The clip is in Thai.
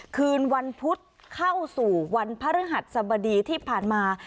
คืนวันพุธเข้าสู่วันพระฤหัสสบดีที่ผ่านมา